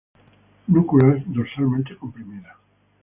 Núculas dorsalmente comprimidas.